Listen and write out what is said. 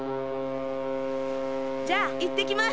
じゃあいってきます！